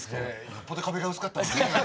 よっぽど壁が薄かったのね。